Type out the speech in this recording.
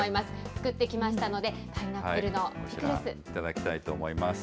作ってきましたので、パイナップ頂きたいと思います。